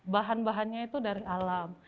bahan bahannya itu dari alam